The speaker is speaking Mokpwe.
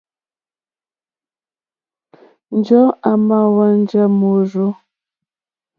Njɔ̀ɔ́ àmà hwánjá môrzô.